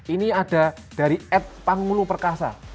ini ada dari ed pangmulu perkasa